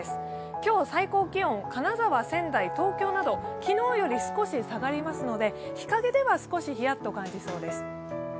今日の最高気温、金沢、仙台、東京など昨日より少し下がりますので、日影では少しヒヤッと感じそうです。